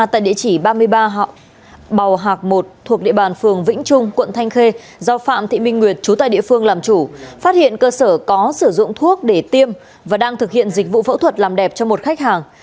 cơ sở chăm sóc da tại địa chỉ ba mươi ba bào hạc một thuộc địa bàn phường vĩnh trung quận thanh khê do phạm thị minh nguyệt chú tại địa phương làm chủ phát hiện cơ sở có sử dụng thuốc để tiêm và đang thực hiện dịch vụ phẫu thuật làm đẹp cho một khách hàng